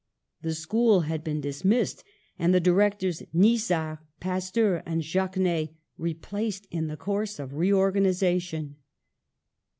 The school had been dismissed, and the directors, Nisard, Pasteur and Jacquinet, replaced in the course of reor ganisation.